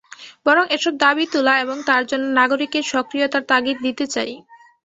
বরং এসব দাবি তোলা এবং তার জন্য নাগরিকের সক্রিয়তার তাগিদ দিতে চাই।